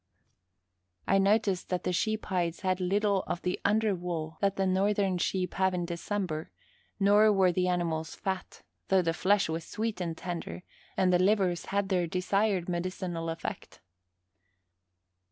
I noticed that the sheep hides had little of the under wool that the Northern sheep have in December, nor were the animals fat, though the flesh was sweet and tender, and the livers had their desired medicinal effect.